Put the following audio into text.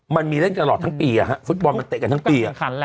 มันมีเล่นตลอดทั้งปีฟุตบอลมันเตะกันทั้งปี